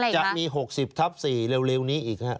จะมี๖๐ทับ๔เร็วนี้อีก